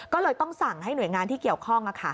ก็เลยต้องสั่งให้หน่วยงานที่เกี่ยวข้อง